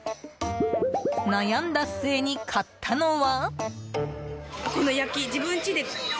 悩んだ末に買ったのは。